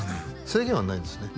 制限はないんですね